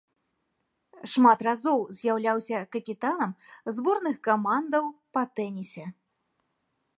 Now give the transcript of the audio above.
Шмат разоў з'яўляўся капітанам зборных камандаў па тэнісе.